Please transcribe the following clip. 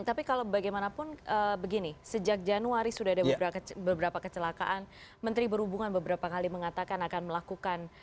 tapi kalau bagaimanapun begini sejak januari sudah ada beberapa kecelakaan menteri berhubungan beberapa kali mengatakan akan melakukan